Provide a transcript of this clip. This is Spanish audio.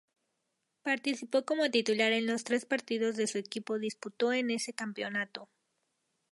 Participó como titular en los tres partidos que su equipo disputó en ese campeonato.